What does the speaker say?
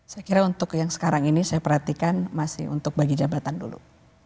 saya kira untuk yang sekarang ini saya perhatikan masih untuk bagi jabatan dulu